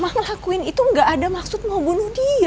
mama ngelakuin itu nggak ada maksud mau bunuh dia